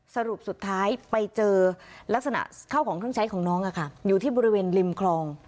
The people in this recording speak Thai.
สรุปสุดท้ายไปเจอลักษณะเข้าของเครื่องใช้ของน้องอยู่ที่บริเวณริมคลอง